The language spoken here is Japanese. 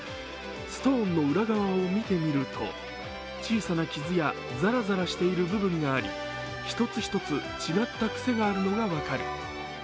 ストーンの裏側を見てみると、小さな傷やザラザラしている部分があり、１つ１つ違った癖があるのが分かる。